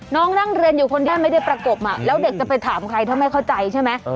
น้องนั่งเรียนอยู่คนแรกไม่ได้ประกบแล้วเด็กจะไปถามใครถ้าไม่เข้าใจใช่ไหม